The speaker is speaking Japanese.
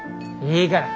いいから。